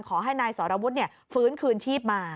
ขอให้นายสรวุฒิฟื้นคืนชีพมา